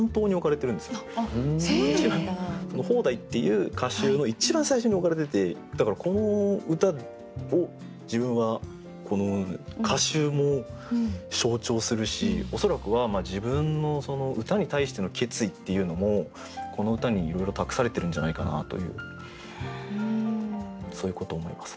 「方代」っていう歌集の一番最初に置かれててだからこの歌を自分は歌集も象徴するし恐らくは自分の歌に対しての決意っていうのもこの歌にいろいろ託されてるんじゃないかなというそういうことを思います。